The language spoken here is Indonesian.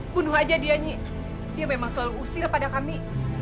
bunuh aja dia nyi dia memang selalu usil pada kami